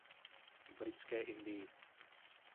Britské Indii.